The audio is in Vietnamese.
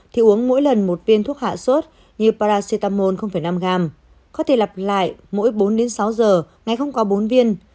thì uống mỗi lần một viên thuốc hạ sốt như paracetamol năm g có thể lặp lại mỗi bốn sáu giờ ngay không qua bốn viên